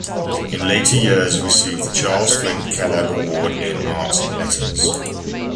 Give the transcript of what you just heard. In later years he received the Charles Flint Kellogg Award in Arts and Letters.